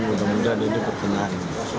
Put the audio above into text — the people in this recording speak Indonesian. mudah mudahan ini berkenan